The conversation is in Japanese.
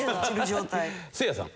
せいやさん。